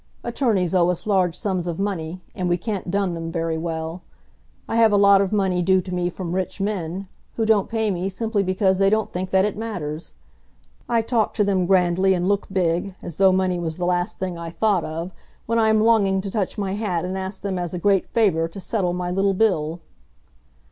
Attorneys owe us large sums of money, and we can't dun them very well. I have a lot of money due to me from rich men, who don't pay me simply because they don't think that it matters. I talk to them grandly, and look big, as though money was the last thing I thought of, when I am longing to touch my hat and ask them as a great favour to settle my little bill."